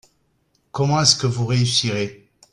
Comment est-ce que vous réussirez ?